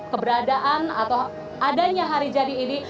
keberadaan atau adanya hari jadi ini